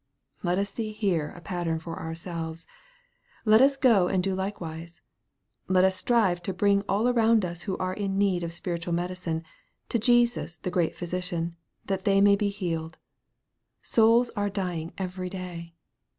Let us see here a pattern for ourselves. Let us go and do likewise. Let us strive to bring all around us who are in need of spiritual medicine, to Jesus the great Physician, that they may be healed. Souls are dying every day.